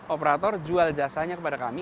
operator jual jasanya kepada kami